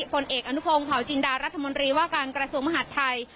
ผลเอกอนุพงศ์เผาจินดารัฐมนตรีว่าการกระทรวงมหาดไทย